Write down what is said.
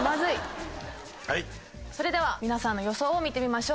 それでは皆さんの予想を見てみましょう。